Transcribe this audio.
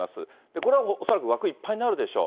これは恐らく枠いっぱいになるでしょう。